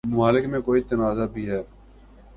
ممالک میں کوئی تنازع بھی ہے